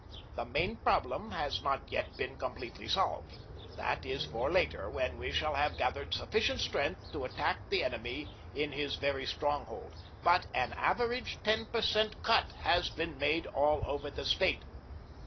The main problem has not yet been completely solved; that is for later, when we shall have gathered sufficient strength to attack the enemy in his very stronghold; BUT AN AVERAGE TEN PER CENT. CUT HAS BEEN MADE ALL OVER THE STATE.